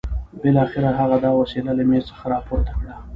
بالاخره هغه دا وسيله له مېز څخه راپورته کړه.